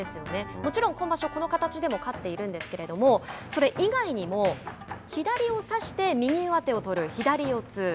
もちろん今場所、この形でも勝っているんですけれどもそれ以外にも左をさして右上手を取る左四つ。